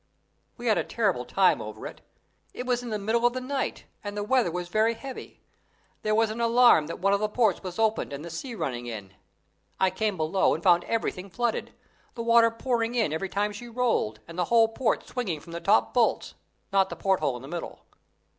We had a terrible time over it. It was in the middle of the night, and the weather was very heavy; there was an alarm that one of the ports was open and the sea running in. I came below and found everything flooded, the water pouring in every time she rolled, and the whole port swinging from the top bolts not the porthole in the middle.